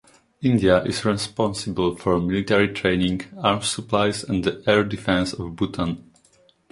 India is responsible for military training, arms supplies and the air defense of Bhutan.